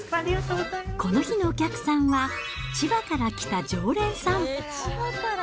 この日のお客さんは、千葉から来た常連さん。